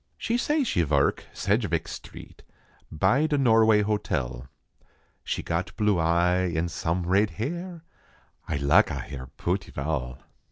She say she verk Saidgeveck street By da Norway hotel ; She got blue eye en some rade hair Ay laka hare pooty val.